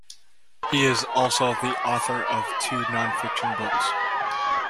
He is also the author of two non-fiction books.